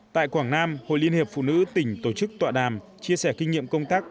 tại quảng nam hội liên hiệp phụ nữ tỉnh tổ chức tọa đàm chia sẻ kinh nghiệm công tác